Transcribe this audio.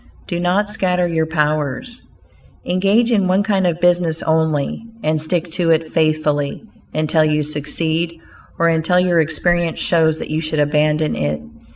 DO NOT SCATTER YOUR POWERS Engage in one kind of business only, and stick to it faithfully until you succeed, or until your experience shows that you should abandon it.